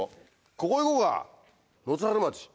ここ行こうか野津原町。